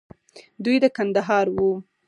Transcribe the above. دوى د کندهار وو.